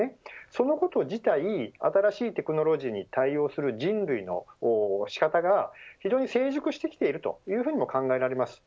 そのこと自体、新しいテクノロジーに対応する人類の仕方が非常に成熟してきてるというふうにも考えられます。